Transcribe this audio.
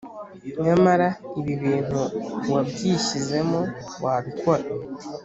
Nyamara ibibintu wabyishyizemo wabikora